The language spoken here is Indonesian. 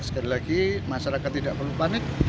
sekali lagi masyarakat tidak perlu panik